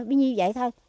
bên như vậy thôi